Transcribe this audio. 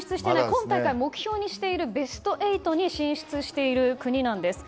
今大会目標にしているベスト８に進出している国なんです。